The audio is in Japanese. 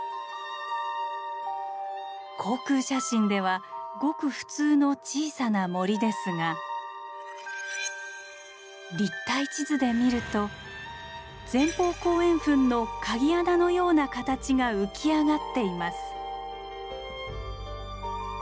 航空写真ではごく普通の小さな森ですが立体地図で見ると前方後円墳の鍵穴のような形が浮き上がっています。